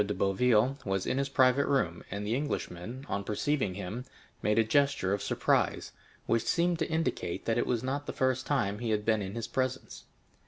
de Boville was in his private room, and the Englishman, on perceiving him, made a gesture of surprise, which seemed to indicate that it was not the first time he had been in his presence.